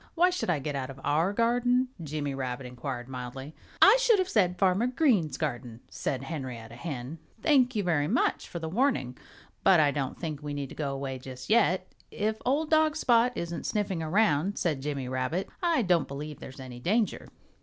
"Why should I get out of our garden?" Jimmy Rabbit inquired mildly. "I should have said, 'Farmer Green's garden,'" said Henrietta Hen. "Thank you very much for the warning; but I don't think we need go away just yet if old dog Spot isn't sniffing around," said Jimmy Rabbit. "I don't believe there's any danger."